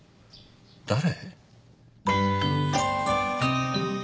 誰？